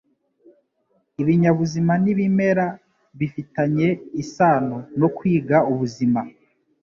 Ibinyabuzima n'ibimera bifitanye isano no kwiga ubuzima.